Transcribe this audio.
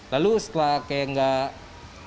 lalu setelah kayak nggak